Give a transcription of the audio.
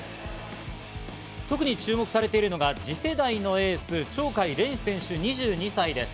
特に注目されているのが、次世代のエース・鳥海連志選手２２歳です。